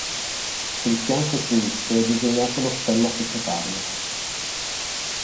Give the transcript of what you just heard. Sul fianco sinistro è disegnato lo stemma societario.